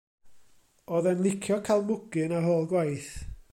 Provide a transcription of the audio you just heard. O'dd e'n lico ca'l mwgyn ar ôl gwaith.